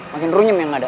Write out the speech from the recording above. makin runyam yang ada